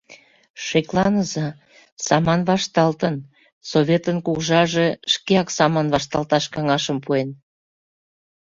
«Шекланыза, саман вашталтын, Советын кугыжаже шкеак саман вашталташ каҥашым пуэн.